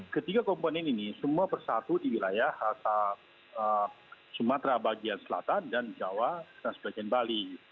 ketiga komponen ini semua bersatu di wilayah sumatera bagian selatan dan jawa dan sebagian bali